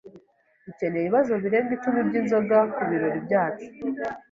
Dukeneye ibibazo birenga icumi byinzoga kubirori byacu.